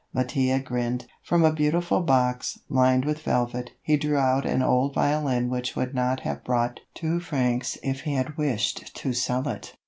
Mattia grinned. From a beautiful box, lined with velvet, he drew out an old violin which would not have brought two francs if he had wished to sell it.